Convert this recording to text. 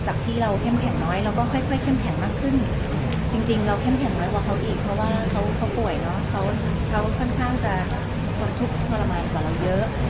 จากที่เราเข้มแข็งน้อยเราก็ค่อยเข้มแข็งมากขึ้นจริงเราเข้มแข็งน้อยกว่าเขาอีกเพราะว่าเขาป่วยเนอะเขาค่อนข้างจะทนทุกข์ทรมานกว่าเราเยอะ